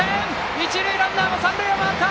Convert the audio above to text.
一塁ランナーも三塁を回った！